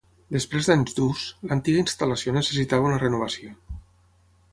Després d'anys d'ús, l'antiga instal·lació necessitava una renovació.